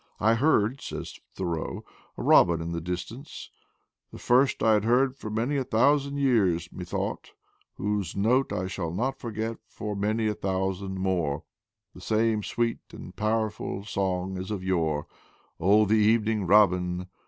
"I heard,* ' says Thoreau, "a robin in the dis tance, the first I had heard for many a thousand years, methought, whose note I shall not forget for many a thousand more, — the same sweet and powerful song as of yore, the evening robin